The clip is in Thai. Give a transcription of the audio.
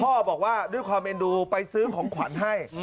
บอกว่าด้วยความเอ็นดูไปซื้อของขวัญให้